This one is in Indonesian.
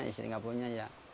istri gak punya ya